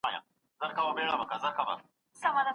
لښتې په خپل کمیس کې د غره د بوټو عطر ساتلي وو.